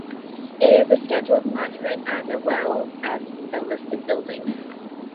It is a Scheduled Monument as well as a listed building.